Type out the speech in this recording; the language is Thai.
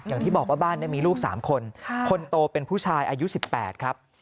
อย่างที่บอกว่าบ้านนี้มีลูก๓คนคนโตเป็นผู้ชายอายุ๑๘ครับ